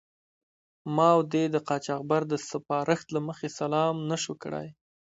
ما او دې د قاچاقبر د سپارښت له مخې سلام و نه شو کړای.